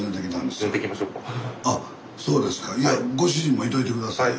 いやご主人もいといて下さいよ。